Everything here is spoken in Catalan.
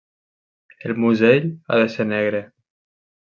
El musell ha de ser negre.